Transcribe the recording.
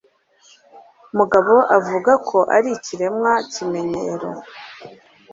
mugabo avuga ko ari ikiremwa kimenyero